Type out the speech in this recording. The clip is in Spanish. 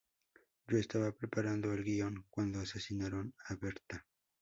Yo estaba preparando el guion cuando asesinaron a Berta.